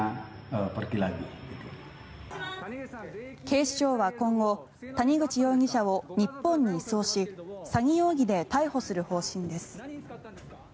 警視庁は今後谷口容疑者を日本に移送し詐欺容疑で逮捕する方針です。